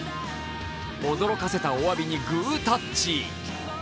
驚かせたおわびにグータッチ。